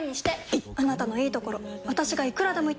いっあなたのいいところ私がいくらでも言ってあげる！